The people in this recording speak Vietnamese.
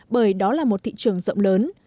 bởi đó là một thị trường rộng lớn